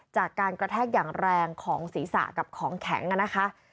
จากการกระแทกอย่างแรงของศีรษะกับของแข็งนะคะ